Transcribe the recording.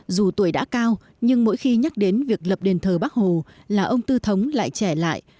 dù tuổi đã cao nhưng mỗi khi nhắc đến việc lập đền thờ bắc hồ là ông tư thống lại trẻ lại